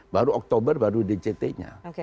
baru oktober baru dct nya